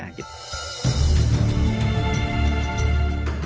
bagaimana persiapan pensiun saya